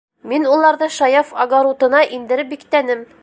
Мин уларҙы Шаяф агарутына индереп биктәнем!